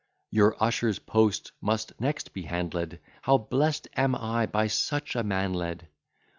Your usher's post must next be handled: How blest am I by such a man led!